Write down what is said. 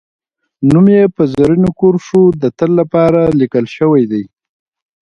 نوم یې په زرینو کرښو د تل لپاره لیکل شوی دی